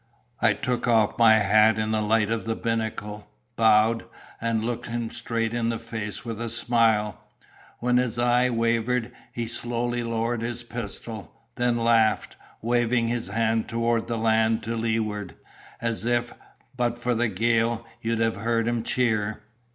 I took off my hat in the light of the binnacle, bowed, and looked him straight in the face with a smile; when his eye wavered, he slowly lowered his pistol, then laughed, waving his hand towards the land to leeward, as if, but for the gale, you'd have heard him cheer.